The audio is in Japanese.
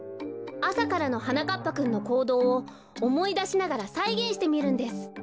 あさからのはなかっぱくんのこうどうをおもいだしながらさいげんしてみるんです。